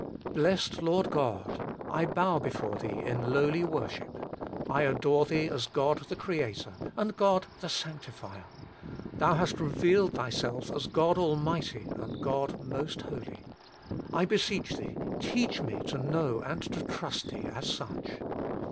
Blessed Lord God ! I bow before Thee in lowly worship. I adore Thee as God the Creator, and God the Sanctifier. Thou hast revealed Thyself as God Almighty and God Most Holy. I beseech Thee, teach me to know and to trust Thee as such.